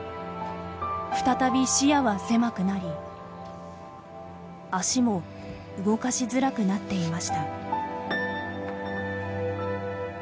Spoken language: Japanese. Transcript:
再び視野は狭くなり足も動かしづらくなっていました。